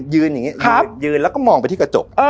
ยืนอย่างนี้ยืนแล้วก็มองไปที่กระจก